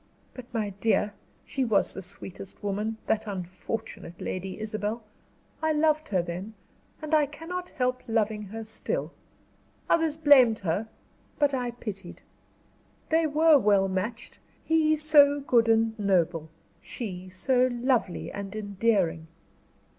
But, my dear, she was the sweetest woman, that unfortunate Lady Isabel. I loved her then, and I cannot help loving her still. Others blamed her, but I pitied. They were well matched; he so good and noble; she, so lovely and endearing."